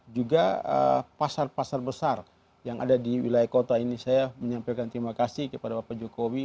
juga pasar pasar besar yang ada di wilayah kota ini saya menyampaikan terima kasih kepada bapak jokowi